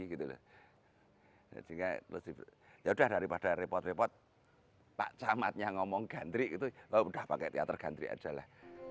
gitu ya udah daripada repot repot pak samad nya ngomong ganti itu udah pakai teater gantri adalah